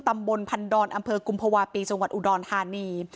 ตำบลพันดอนอำเภอกุมภาวะปีจังหวัดอุดรธานี